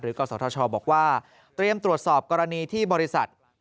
กศธชบอกว่าเตรียมตรวจสอบกรณีที่บริษัท